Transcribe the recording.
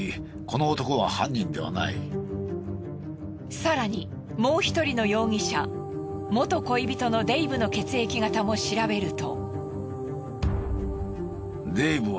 更にもう１人の容疑者元恋人のデイブの血液型も調べると。